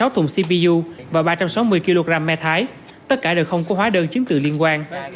bảy mươi sáu thùng cpu và ba trăm sáu mươi kg me thái tất cả đều không có hóa đơn chiếm tự liên quan